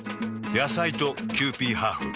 野菜とキユーピーハーフ。